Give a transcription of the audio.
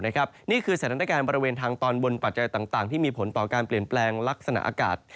นี่คือสถานการณ์บริเวณทางตอนบนปัจจัยต่างที่มีผลต่อการเปลี่ยนแปลงลักษณะอากาศ